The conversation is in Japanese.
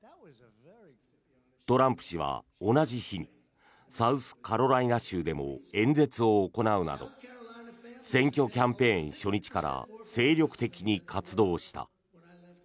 トランプ氏は同じ日にサウスカロライナ州でも演説を行うなど選挙キャンペーン初日から精力的に活動した。